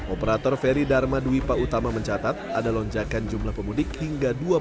operator feri dharma dwi pak utama mencatat ada lonjakan jumlah pemudik hingga dua puluh lima